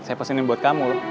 saya pesenin buat kamu